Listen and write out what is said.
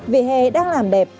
vỉa hè đang làm đẹp